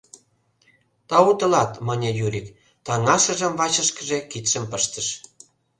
— Тау тылат, — мане Юрик, таҥашыжым вачышкыже кидшым пыштыш.